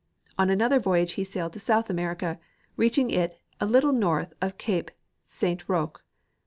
On another voyage he sailed to South America, reaching it a little north of cape Saint Roque.